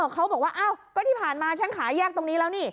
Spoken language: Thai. เขาบอกว่าอ้าวก็ที่ผ่านมาฉันขายแยกตรงนี้แล้วนี่